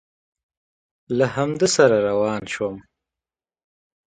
له همده سره روان شوم.